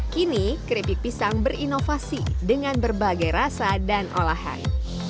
kini keripik pisang berinovasi dengan berbagai rasa dan olahan